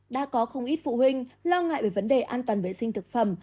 đã có không ít phụ huynh lo ngại về vấn đề an toàn vệ sinh thực phẩm